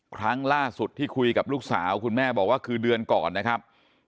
ครั้งล่าสุดที่คุยกับลูกสาวคุณแม่บอกว่าคือเดือนก่อนนะครับ